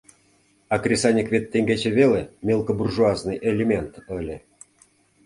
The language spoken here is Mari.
А кресаньык вет теҥгече веле мелкобуржуазный элемент ыле.